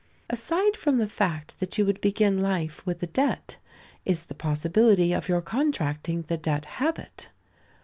Aside from the fact that you would begin life with a debt, is the possibility of your contracting the debt habit.